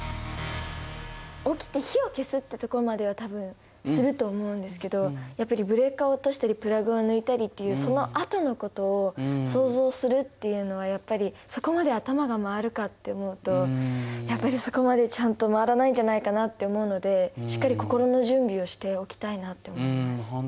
起きて火を消すってところまでは多分すると思うんですけどやっぱりブレーカーを落としたりプラグを抜いたりっていうそのあとのことを想像するっていうのはやっぱりそこまで頭が回るかって思うとやっぱりそこまでちゃんと回らないんじゃないかなって思うのでしっかり心の準備をしておきたいなって思います。